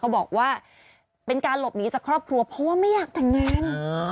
เขาบอกว่าเป็นการหลบหนีแล้วเป็นเราจะครอบครัวเพราะว่าไม่อยากแต่งงาน